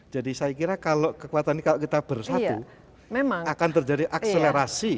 jadi saya kira kalau kekuatan ini kalau kita bersatu akan terjadi akselerasi